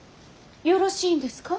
よろしいんですか。